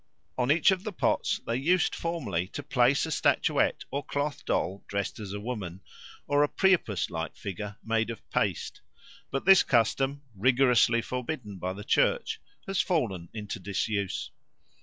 On each of the pots they used formerly to place a statuette or cloth doll dressed as a woman, or a Priapus like figure made of paste; but this custom, rigorously forbidden by the Church, has fallen into disuse.